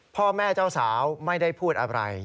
พ่อแม่เจ้าสาวไม่ได้พูดอะไร